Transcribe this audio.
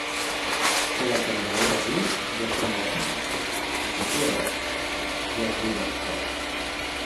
Si la Candelera riu, ja som a l'estiu; i si plora, ja és l'hivern fora.